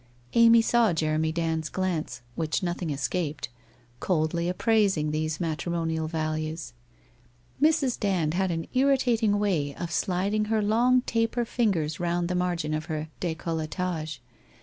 Amy saw Jeremy Dand's glance, which nothing escaped, coldly appraising these matri monial values. Mrs. Dand had an irritating way of sliding her long taper fingers round the margin of her decolletage.